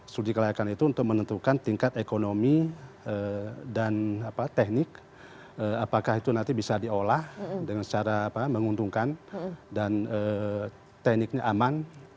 studi kelayakan itu untuk menentukan tingkat ekonomi dan teknik apakah itu nanti bisa diolah dengan secara menguntungkan dan tekniknya aman